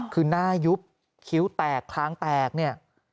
คือหน้ายุบคิ้วแตกคลางแตกเนี่ย